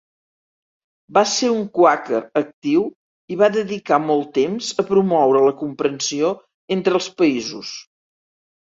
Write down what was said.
Va ser un quàquer actiu i va dedicar molt temps a promoure la comprensió entre els països.